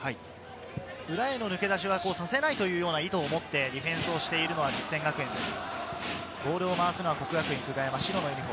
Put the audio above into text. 裏への抜け出しはさせないというような意図をもってディフェンスをしているのは実践学園です。